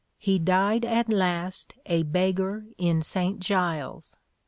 He died at last a beggar in St. Giles.